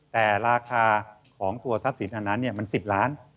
แต่ราคาของตัวทรัพย์สินอันนั้นมัน๑๐ล้าน